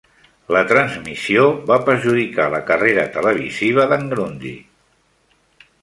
La transmissió va perjudicar la carrera televisiva de"n Grundy.